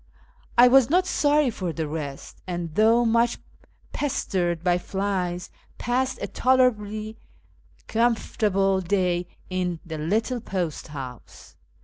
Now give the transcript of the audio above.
I was not sorry for the rest, and, though much pestered by flies, passed a tolerably comfortable day in the little post house.